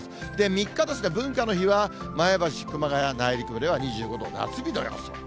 ３日文化の日は前橋、熊谷、内陸部では２５度、夏日の予想。